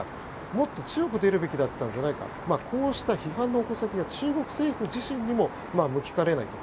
もっと強く出るべきだったんじゃないかこうした批判の矛先が中国政府自身にも向きかねないと。